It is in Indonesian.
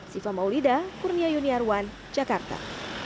siva maulida kurnia yuniarwan jakarta